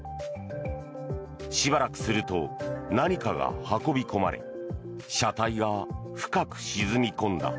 しばらくすると何かが運び込まれ車体が深く沈み込んだ。